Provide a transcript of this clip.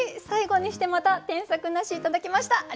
最後にしてまた添削なし頂きました。